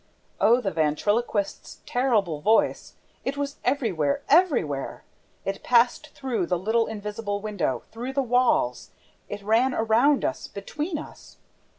'" Oh, the ventriloquist's terrible voice! It was everywhere, everywhere. It passed through the little invisible window, through the walls. It ran around us, between us.